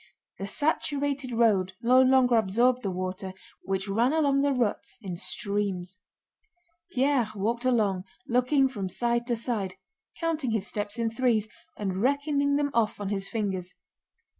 The saturated road no longer absorbed the water, which ran along the ruts in streams. Pierre walked along, looking from side to side, counting his steps in threes, and reckoning them off on his fingers.